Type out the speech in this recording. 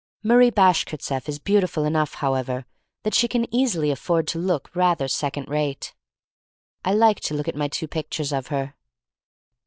Marie Bashkirtseff is beautiful enough, liowever, that she can easily afford to look rather second rate. I like to look at my two pictures of her.